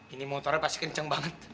ini motornya pasti kencang banget